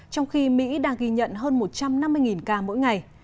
trong khi mỹ đang ghi nhận hơn một trăm năm mươi ca mỗi ngày